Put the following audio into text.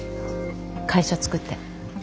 会社作って。